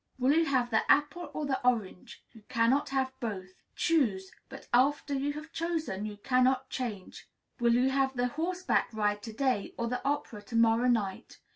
"Will you have the apple, or the orange? You cannot have both. Choose; but after you have chosen you cannot change." "Will you have the horseback ride to day, or the opera to morrow night?